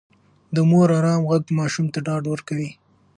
د مور ارام غږ ماشوم ته ډاډ ورکوي.